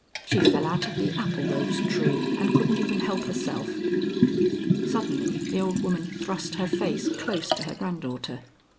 She fell out of the applerose tree, and couldn't even help herself." Suddenly the old woman thrust her face close to her granddaughter.